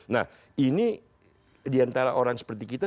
nah ini diantara orang seperti kita